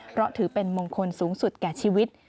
เพราะถือเป็นมงคลสูงสุดแก่ชีวิต